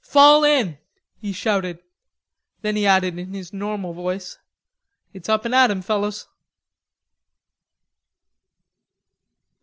"Fall in," he shouted. Then he added in his normal voice, "It's up and at 'em, fellers."